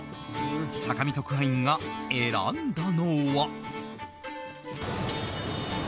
高見特派員が選んだのは。